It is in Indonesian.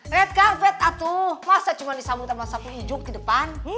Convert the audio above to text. red carpet atuh masa cuma disambut sama sapu hijau di depan